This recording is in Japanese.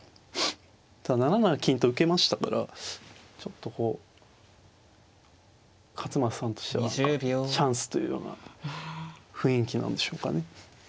ただ７七金と受けましたからちょっとこう勝又さんとしてはチャンスというような雰囲気なんでしょうかね。